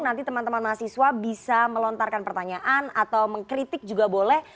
nanti teman teman mahasiswa bisa melontarkan pertanyaan atau mengkritik juga boleh